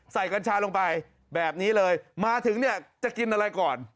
กัญชาลงไปแบบนี้เลยมาถึงเนี่ยจะกินอะไรก่อน